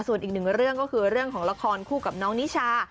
ส่วนอีกหนึ่งเรื่องก็คือเรื่องของละครคู่กับน้องนิชา